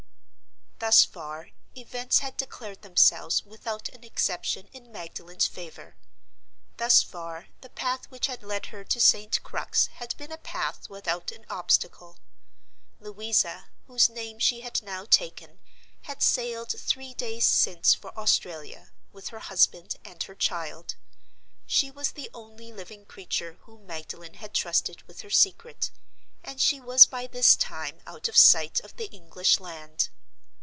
Thus far, events had declared themselves without an exception in Magdalen's favor. Thus far, the path which had led her to St. Crux had been a path without an obstacle: Louisa, whose name she had now taken, had sailed three days since for Australia, with her husband and her child; she was the only living creature whom Magdalen had trusted with her secret, and she was by this time out of sight of the English land.